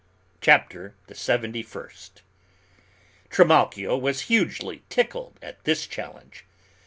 CHAPTER THE SEVENTY FIRST. Trimalchio was hugely tickled at this challenge.